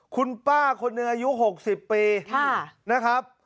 คุณป้าคนเนื้ออายุหกสิบปีค่ะนะครับ